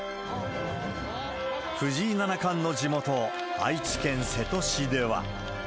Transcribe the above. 藤井七冠の地元、愛知県瀬戸市では。